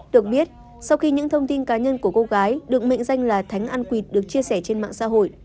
được biết sau khi những thông tin cá nhân của cô gái được mệnh danh là thánh ăn quạt được chia sẻ trên mạng xã hội